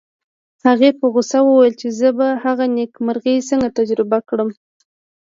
هغې په غوسه وویل چې زه به هغه نېکمرغي څنګه تجربه کړم